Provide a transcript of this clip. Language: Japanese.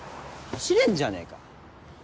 走れんじゃねえか。